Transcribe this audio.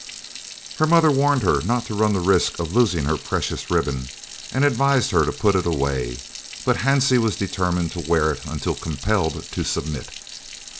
Her mother warned her not to run the risk of losing her precious ribbon, and advised her to put it away, but Hansie was determined to wear it until compelled to submit.